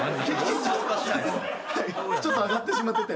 ちょっと上がってしまってて。